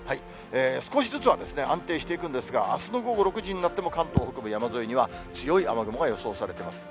少しずつは安定していくんですが、あすの午後６時になっても、関東北部、山沿いには強い雨雲が予想されています。